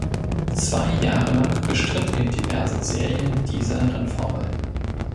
Zwei Jahre lang bestritt in diversen Serien dieser Rennformel.